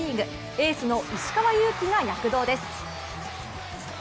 エースの石川祐希が躍動です。